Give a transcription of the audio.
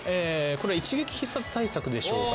これは一撃必殺対策でしょうか。